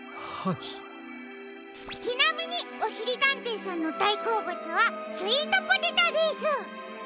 ちなみにおしりたんていさんのだいこうぶつはスイートポテトです。